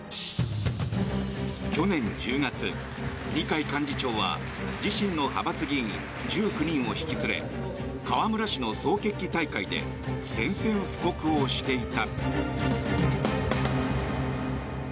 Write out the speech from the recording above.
去年１０月、二階幹事長は自身の派閥議員１９人を引き連れ河村氏の総決起大会で宣戦布告をしていた。